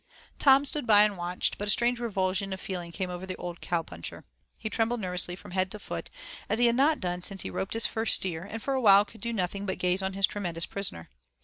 Tom stood by and watched, but a strange revulsion of feeling came over the old cow puncher. He trembled nervously from head to foot, as he had not done since he roped his first steer, and for a while could do nothing but gaze on his tremendous prisoner.